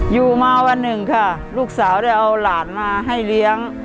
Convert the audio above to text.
อยู่มาวันหนึ่งค่ะลูกสาวได้เอาหลานมาให้เลี้ยง